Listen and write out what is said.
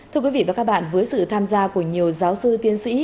thưa quý vị và các bạn với sự tham gia của nhiều giáo sư tiến sĩ